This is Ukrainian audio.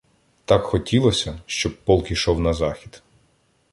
так хотілося, щоб полк ішов на захід.